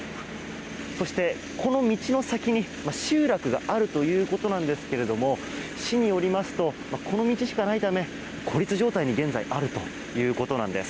そして、この道の先に集落があるということなんですが市によりますとこの道しかないため孤立状態に現在あるということなんです。